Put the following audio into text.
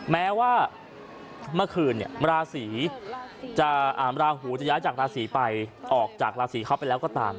แม้ว่าเมื่อคืนราศีราหูจะย้ายจากราศีไปออกจากราศีเข้าไปแล้วก็ตาม